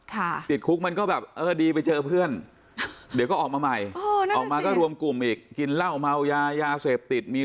ค่ะติดคุกมันก็แบบเออดีไปเจอเพื่อนเดี๋ยวก็ออกมาใหม่อ๋อนั่นแหละสิ